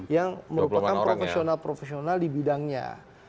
yang merupakan profesional profesional di bidangnya